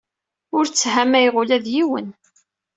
Ur tthamayeɣ ula d yiwen.